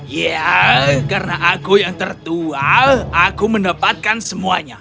ya karena aku yang tertua aku mendapatkan semuanya